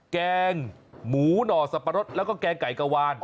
แกงหมูหน่อสับปะรดแล้วก็แกงไก่กะวาน